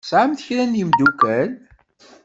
Tesɛamt kra n yemddukal?